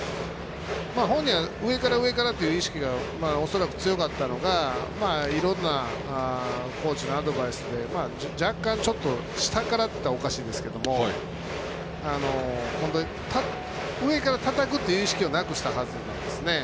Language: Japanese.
本人は上から上からという意識が恐らく強かったのがいろんなコーチのアドバイスで若干、ちょっと下からと言ったらおかしいですけど本当に上からたたくという意識をなくしたはずなんですね。